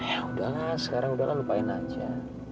ya udahlah sekarang udahlah lupain aja